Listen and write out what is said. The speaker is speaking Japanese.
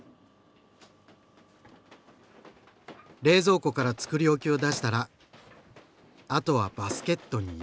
冷蔵庫からつくり置きを出したらあとはバスケットに入れるだけ！